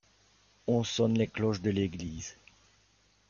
On sonne les cloches de l'église.